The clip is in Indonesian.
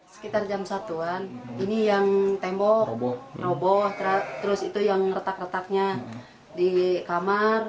sekitar jam satu an ini yang tembok roboh terus itu yang retak retaknya di kamar